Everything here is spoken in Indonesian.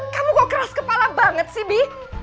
kamu kok keras kepala banget sih bi